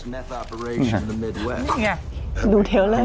นี่ไงดูเท้าเลย